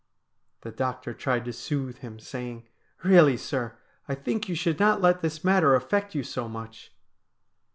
The doctor tried to soothe him, saying :' Eeally, sir, I think you should not let this matter affect you so much.'